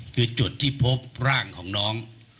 คือจุดที่พบร่างของน้อง